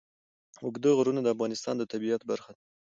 اوږده غرونه د افغانستان د طبیعت برخه ده.